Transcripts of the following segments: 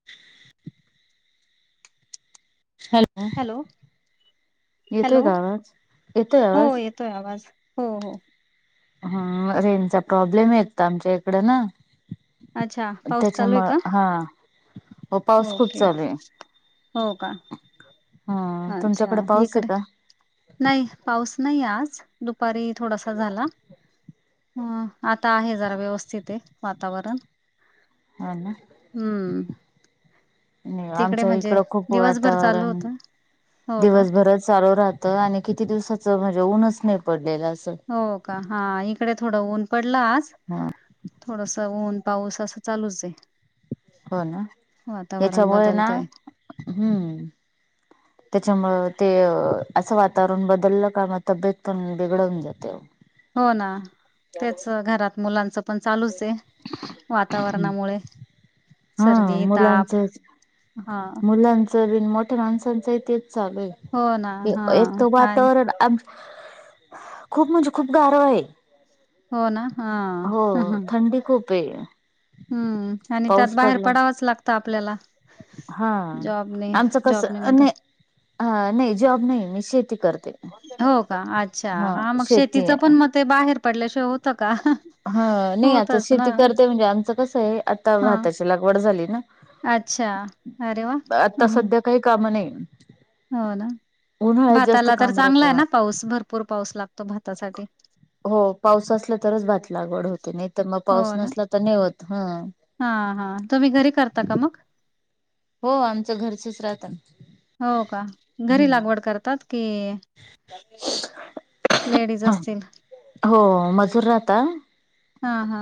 [inaudible] Hello येतोय का आवाज येतोय आवाज? तोय आवाज हो हो. हम्म, रेनचा प्रॉब्लेम एक तर आमच्या इकडं ना. अच्छा पाऊस चालू आहे त्याच्यामुळ का हा, मग पाऊस खूप ओके चालू आहे. हो का? हा अच्छा तुमच्याकडे ए पाऊस आहे कट का? कर. नाही पाऊस नाही आज, दुपारी थोडासा झाला. हम्म, आता आहे जरा व्यवस्थित आहे वातावरण. हा ना हम्म हम्म, तिकडे आमच्या म्हणजे इकडं खूप दिवसभर चालू वातावरण होत हो का दिवसभरच. चालू राहतं आणि किती दिवसाच, म्हणजे ऊनच नाही पडलेलं अस. हो का? हा इकडे थोडं ऊन पडल आज. हा थोडस ऊन पाऊस असं चालूच आहे. हो ना वातावरण याच्यामुळे ना बदलतय हम्म. त्याच्यामु ते असं वातावरण बदललं कारण तब्येत पण बिघडून जाते. हो ना तेच घरात मुलांच पण चालूच आहे, वातावरणामुळे हा सर्दी ताप, हा. जरी मोठ्या माणसांचंही तेच चालू हो ना आहे, हा एक तर आणि वातावरण. अं खूप म्हणजे खूप गारव आहे. हो ना हा, ह हो ह थंडी खूप आहे हम्म आणि त्यात पाऊस बाहेर पडला पडावच लागत आपल्याला. हा जॉबने आमचं कस जॉब निमित्त नाही नाही, जॉब नाही मी शेती करते. हो का अच्छा हा मग शेतीचं पण म ते बाहेर पडल्याशिवाय होतं का? हा नाही आता होतच ना शेती करते, म्हणजे आमचं कसं आहे, आता हा भाताची लागवड झाली ना. अच्छा अरे वाह आता हह. सध्या काही काम नाहीत. हो ना? भाताला तर काम राहत चांगला आहे ना पाऊस भरपूर पाऊस लागतो भातासाठी. हो पाऊस असला तरच भात लागवड होत. ते नाही तर मग हो पाऊस ना नसला तर नाही होत हा. हा हा तुम्ही घरी करता का मग हो आमच्या घरचेच राहतात. हो का घरी लागवड करतात की. लेडीज असतील. हो मजूर राहता. हा हा.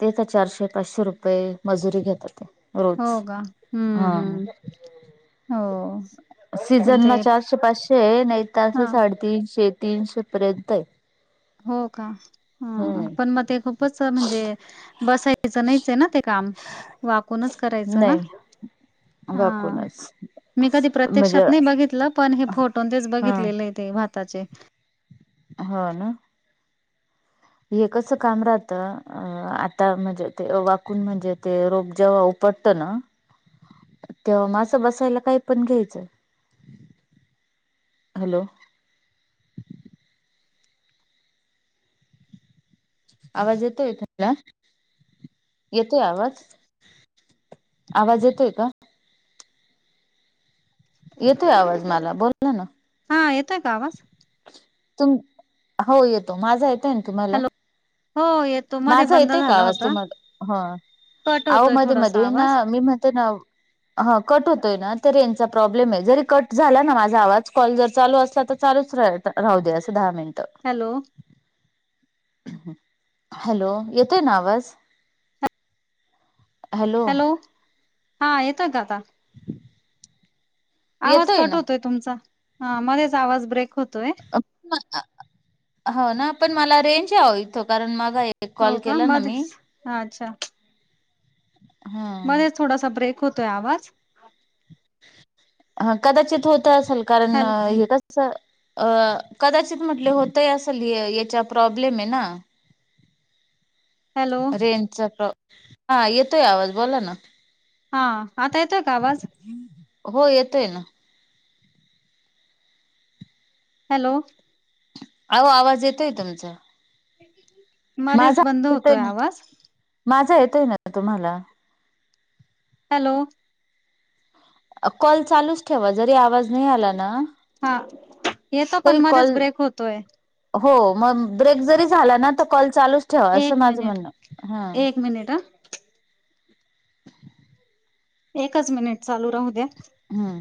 ते तर चारशे पाचशे रुपये मजुरी घेतात ते. हो रोज का हा. हम्म हम्म हो पण ते सीझनला चारशे पाचशे नाही हा तर साडी. तीनशे तीनशे पर्यंत आहे. हो का. ह हम्म पण मग ते खूपच म्हणजे बसायचं नाहीच आहे ना ते काम. वाकूनच करायचं ना. नाही हा वाकूनच मी म्हणजे प्रत्यक्षात बघितलं पण हे फोटो तेच हा बघितलेले आहेत. ते भाताचे. हा ना. हे कसं काम राहतं आता म्हणजे ते वाकून म्हणजे ते रोग जेव्हा उपटतं ना. [inaudible] ते माझं बसायला काय पण घ्यायचं हॅलो. आवाज येतोय त्याला येतोय आवाज. आवाज येतोय का? येतो आवाज मला बोला ना. हा येतय आवाज. तुम हो येतो माझा येतय ना तुम्हाला. हॅलो हो येतो मध्ये माझा बंद येतंय का झाला वास्तू होता मला हा. कट आह होतोय मध्ये थोडासा मध्ये ना आवाज मी म्हणते ना. ह कट होतोय ना तर यांचा प्रॉब्लेम आहे जरी कट झाला ना माझा आवाज कॉल जर चालू असला तर. चालूच रा राहू दे असं दहा मिनिटं. हॅलो. हॅलो येतोय ना आवाज. हॅलो हा येतोय काता. आवाज येतोय कट ना? होतोय तुमचा हा मध्येच आवाज ब्रेक होतोय. हो ना पण मला हो रेंज आहे हित मागा एक हो कॉल का केला ना मध्येच मी. अच्छा. हा. मध्ये थोडासा ब्रेक होतोय आवाज. हा कदाचित होत असेल कारण हॅलो हेेत. अ कदाचित म्हटले होतंय असल याचा प्रॉब्लेम आहे ना. हॅलो रेंजचा प्र हा येतोय आवाज बोला ना. हा आता येतोय का आवाज. हो येतोय ना. हॅलो. अहो आवाज येतोय तुमचा. [inaudible] माझा बंद येत आहे होतोय ना आवाज माझं येत आहे ना तुम्हाला. हॅलो. कॉल चालूच ठेवा जरी आवाज. नाही आला ना हा येतो पण तरी मध्येच कॉल. ब्रेक होतोय हो मग ब्रेक जरी झाला ना तर कॉल चालूच ठेवा असं एक माझं मिनिट म्हणणं ह्. एक मिनिट. एकच मिनिट चालू राहू द्या. ह्अ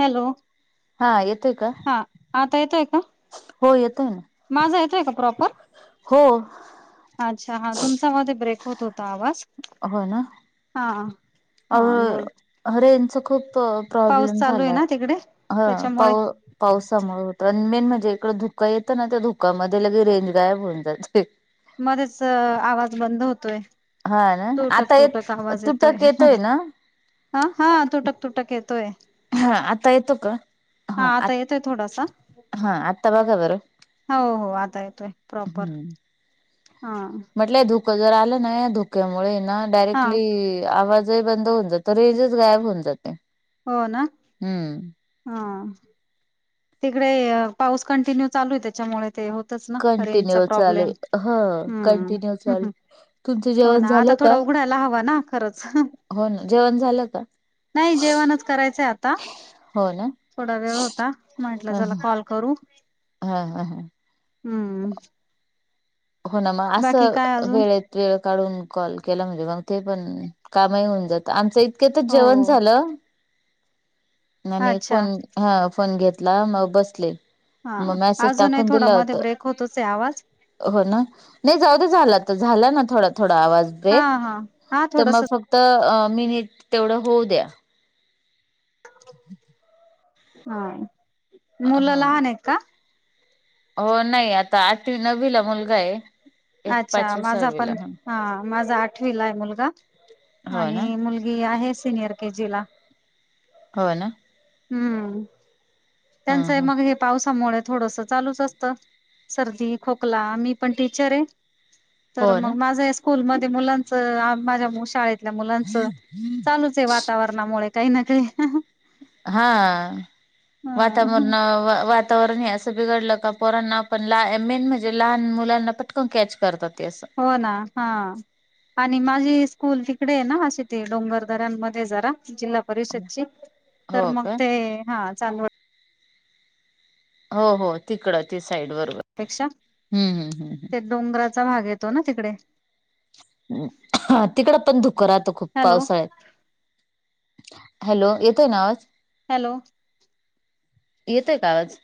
हॅलो. हा येतोय का? हा आता येतोय का. हो येतोय ना. माझा यतोय का प्रॉपर? हो. अच्छा हा तुमचा मध्ये ब्रेक होत होता आवाज. हो ना हा अ हा बोल अ रेजचं खूप पाऊस प्रॉब्लेम चालू आहे झालाय. ना तिकडे त्याच्यामुळे पावसामुळे होत आणि मेन म्हणजे इकडं धुकं येतं ना त्या धुक्यामध्ये लगे रेंज गायब होऊन जाते. मध्येच आवाज बंद होतोय. ह्अ ना तुटक आता ये तुटक तुटक येतोय ना? अ हा तुटक तुटक येतोय. हा आता येतो का हा आ येतोय थोडासा. हा आता बघा बरं? हो हो आता येतोय. प्रॉपर हम्म. हा. म्हटलं हे धुकं जर आलं ना धोक्यामुळे हे ना हा डायरेक्टली आवाज [inaudible] बंद होऊन जातं रेजच गायब होऊन जाते. हो ना हम्म हा. तिकडे पाऊस कंटिन्यू चालू आहे त्याच्यामुळे ते हो तेच ना रेंजचा कंटिन्यू चालू प्रॉब्लेम ह हूं कंटिन्यू चालू हम्म तुमचं हो जेवण ना आ झालं का थोडा उघडायला हवा ना खरंच. हो ना जेवण झालं का? नाही जेवणच करायचं आ ता हो ना थोडा वेळ होता म्हटलं ह चला कॉल करू. हा हा हा हम्म हो ना मग बाकी काय असं अजून वेळेत वेळ काढून कॉल केला म्हणजे मग ते पण कामही होऊन जातं आमचही इतक्यातच हो जेवण झालं आणि अच्छा फोन हा फोन घेतला मग बसले मग मॅसेज टाकून दिल होतं. खोतोचं आहे आवाज? हो ना नाही जाऊदे झाला तर झाला ना थोडा थोडा आवाज हा ब्रेक हा हा तर मग थोडस फक्त तर मिनिट तेवढं होऊ द्या. हा मुलं हा लहान आहेत का हो नाही आता आठवी नवीला मुलगा हाय. अच्छा माझा पण. हा माझा आठवीला आहे मुलगा हो ना आणि मुलगी आहे सिनियर के जी ला. हो ना. हम्म ह त्यांचं ह मग हे पावसामुळे थोडस चालूच असतं. सर्दी खोकला मी पण टीचर हाय. हो तर ना मग माझं स्कूलमध्ये मुलांच माझ्या शाळेत. मुलांचं चालूच हाय वातावरणामुळे काही ना काही. हा ह वातावरण वातावरण ह अस बिघडलं का पोरांना आपण मेन म्हणजे लहान मुलांना पटकन कॅच करतात अस. हो ना हा. आणि माझी स्कूल तिकडे आहे ना अशी ते डोंगरदरां मध्ये जरा जिल्हा परिषदची तर हो मग का ते हा चालू हाय. हो हो तिकडं ती साईड बरोबर. पेक्षा हम्म हम्म ते डोंगराचा भाग येतो ना तिकडे. तिकडं पण धुकं राहतं खुप हॅलो पावसाळ्यात. हॅलो येतोय ना आवाज हॅलो. येतोय का आवाज?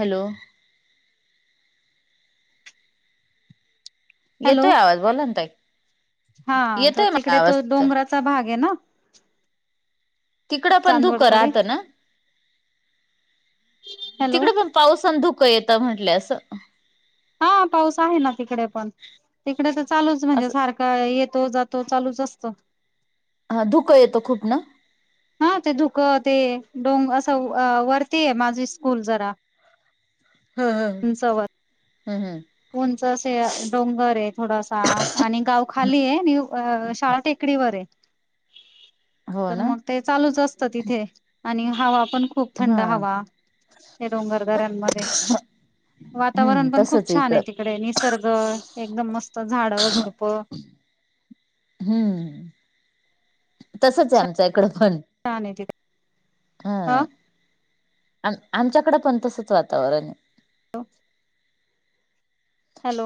हॅलो. येतोय हॅलो आवाज बोला ना ताई. हा तर येतोय मला तिकडे आवाज तो तुमचा डोंगराचा भाग हाय ना. तिकडं पण धूकं चांदवडकडे राहतं ना? हॅलो तिकडे पण पावसान धुकं येतं म्हटलं असं. हा पाऊस आहे ना तिकडे पण तिकडे तर चालूच म्हणजे असं सारखं काय येतो जातो चालूच असतो. हा धुकं येतं खूप ना. हा ते धुक ते डोंग असं वरतीय माझी स्कूल जरा. ह ह उंचावर हम्म हम्म उंच अस डोंगर आहे थोडासा आणि गावखाली आहे आणि शाळा टेक कडीवर हाय हो तर ना मग चालूच असतं तिथे आणि हवा पण खूप थंड हा हवा हे डोंगर दर्यामध्ये खुप हम्म वातावरण पण खूप तसच छान इकडं आहे तिकडे निसर्ग एकदम मस्त झाडझुडपं हम्म. तसंच आहे आमच्या इकडं पण. छान आहे ते हा. आम आमच्याकडं पण तसंच वातावरण आहे. हो.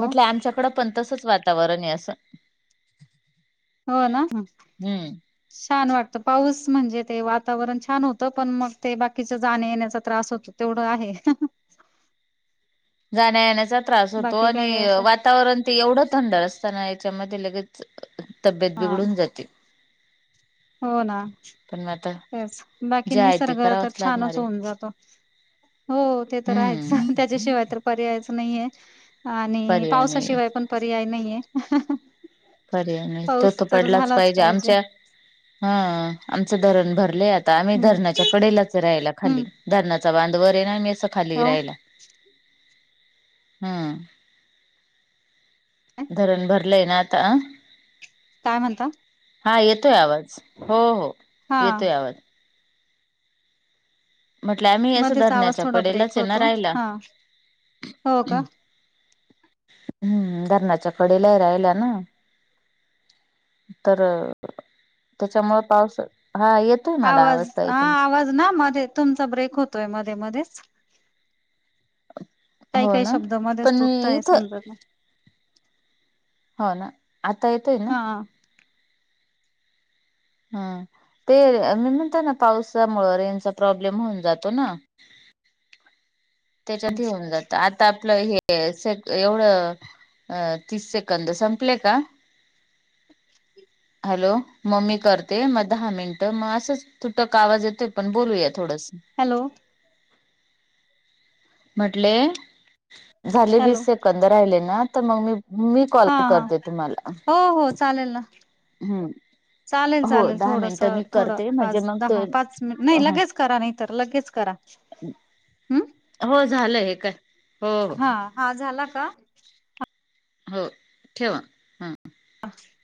म्हटल आमच्याकड पण तसच वातावरण आहे असं. हो ना. हम्म छान वाटत पाऊस म्हणजे ते वातावरण छान होतं पण मग ते बाकीच जाण्या येण्याचा त्रास होतो. तेवढ आहे हं. जाण्या येण्याचा त्रास होतो बाकी काय आणि वा असं वातावरण ते एवढं थंड असत ना याच्यामध्ये लगेच तब्येत हा बिघडून जाते. हो ना. पण आता. तेच बाकी जे आहे ते निसर्ग तर करावंच लागणार छानच आहे होऊन जातो. हो ते तर हायच हम्म त्याच्याशिवाय तर पर्यायच नाहीय. आणि पर्याय नाही पावसाशिवाय पण पर्याय नाहीये. पर्याय नाही, तो पाऊस तो तर पडलाच झालाच पाहिजे आमच्या. हा आमचं धरण भरलेय आता आम्ही हम्म धरणाच्या कडेलाच राहिला खाली हम्म धरणा बांधवर आहे ना आम्ही अस खाली हो राहिला हम्म. धरण भरलंय ना आता अ. काय म्हणता? हा येतोय आवाज, हो हो हा येतोय आवाज. म्हटलं आम्ही असं मध्येच आवाज धरणाच्या थोडा कडेलाच ब्रेक आहे ना होतो राहिला हा. हो का? हम्म धरणाच्या कडे ल राहायला ना. तर त्याच्यामुळे पाऊस हो येतंय आवाज मला ताई हा तुमचा. आवाज मध्ये तुमचा ब्रेक होतोय मध्ये मध्येच. काय हो काय ना शब्द मध्ये पण तुटता मी येत इथं समजत नाही. हो ना आता येतय ना? हा हा ते मी म्हणता ना पावसामु रेनचा प्रॉब्लेम होऊन जातो ना. त्याच्या तेऊन जात आता आपलं हे. से एवढं तीस सेकंद संपलंय का. [inaudible] हॅलो मग ममी करते मग दहा मिनटं मग असंच. तुटक आवाज येतोय पण बोलूया थोडस. हॅलो. म्हटले, झाले हॅलो वीस सेकंद राहिले ना तर मग मी मी कॉल हा हा करते तुम्हाला. हो हो चालेल ना. हम्म चालेल हो चालेल दहा थोडस मिनिटं मी थोडं करते म्हणजे पाच मग तो दहा पाच मिनिट नाही लगेच. करा नाही तर लगेच करा. हम्म हो झालंय हे काय. हो हो हा हा झाला का? हो ठेवा हा. [unintelligible]